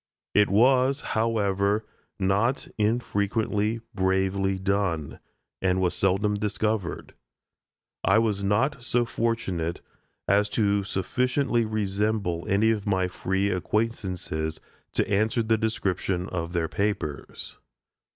It was, however, not infrequently bravely done, and was seldom discovered. I was not so fortunate as to sufficiently resemble any of my free acquaintances to answer the description of their papers.